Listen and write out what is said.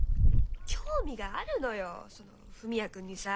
興味があるのよその文也君にさ。